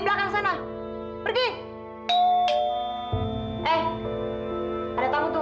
belakang sana pergi eh ada tamu tuh